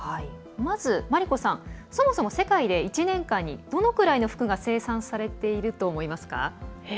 まず、そもそも世界で１年間にどのくらいの服が生産されていると思いますか？